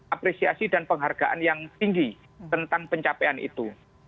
apresiasi dan penghargaan yang tinggi tentang pencapaian itu